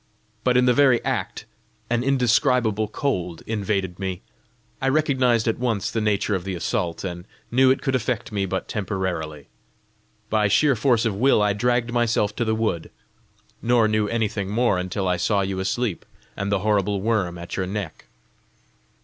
But in the very act, an indescribable cold invaded me. I recognised at once the nature of the assault, and knew it could affect me but temporarily. By sheer force of will I dragged myself to the wood nor knew anything more until I saw you asleep, and the horrible worm at your neck.